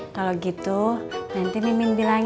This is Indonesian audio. kalau gitu nanti mimin bilang